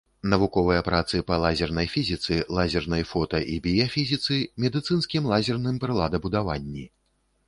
Навуковыя працы па лазернай фізіцы, лазернай фота- і біяфізіцы, медыцынскім лазерным прыладабудаванні.